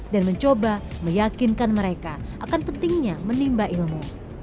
dan mencoba meyakinkan mereka akan pentingnya menimba ilmu